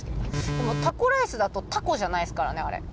でもタコライスだとタコじゃないですからねあれ。